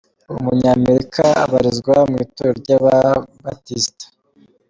Uyu munya Amerika abarizwa mu itorero ry’Ababatisita.